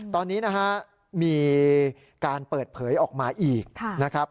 ตอนนี้นะฮะมีการเปิดเผยออกมาอีกนะครับ